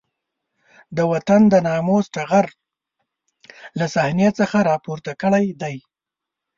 د وطن د ناموس ټغر له صحنې څخه راپورته کړی دی.